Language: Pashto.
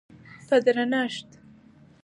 په درنښت،